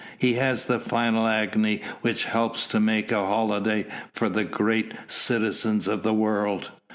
He has the final agony which helps to make a holiday for the great citizens of the world.